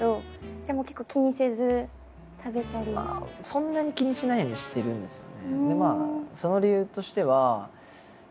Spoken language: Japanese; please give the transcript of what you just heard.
そんなに気にしないようにしてるんですよね。